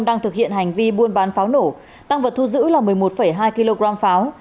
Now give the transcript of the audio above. đang thực hiện hành vi buôn bán pháo nổ tăng vật thu giữ là một mươi một hai kg pháo